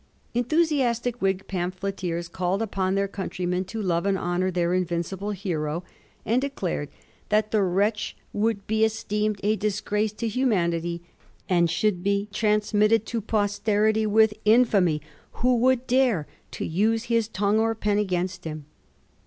Enthusiastic Whig pamphleteers called upon their countrymen to love and honour their invincible hero, and declared that the wretch would be esteemed a disgrace to humanity, and should be transmitted to posterity with infamy, who would dare to use his tongue or pen against him.